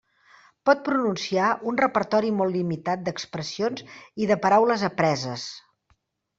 Pot pronunciar un repertori molt limitat d'expressions i de paraules apreses.